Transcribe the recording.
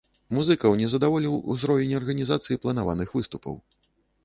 Музыкаў не задаволіў узровень арганізацыі планаваных выступаў.